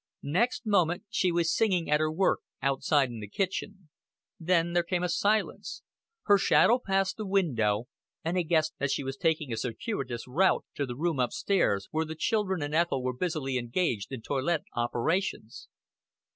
Next moment she was singing at her work outside in the kitchen. Then there came a silence; her shadow passed the window, and he guessed that she was taking a circuitous route to the room up stairs where the children and Ethel were busily engaged in toilet operations.